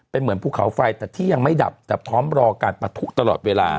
เป็นเหมือนภูเขาไฟแต่ที่ยังไม่ดับแต่พร้อมรอการปะทุตลอดเวลา